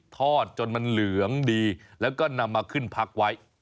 ทอดจนมันเหลืองดีแล้วก็นำมาขึ้นพักไว้